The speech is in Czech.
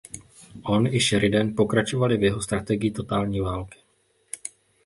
On i Sheridan pokračovali v jeho strategii totální války.